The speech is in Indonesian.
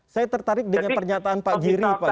saya tertarik dengan pernyataan pak giri